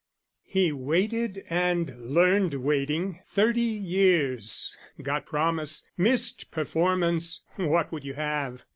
He waited and learned waiting, thirty years; Got promise, missed performance what would you have?